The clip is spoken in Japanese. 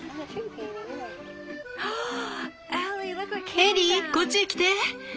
エリーこっちへ来て。